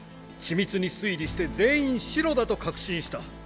緻密に推理して全員シロだと確信した。